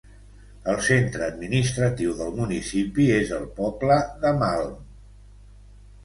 El centre administratiu del municipi és el poble de Malm.